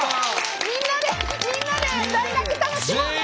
みんなでみんなで大学楽しもうね。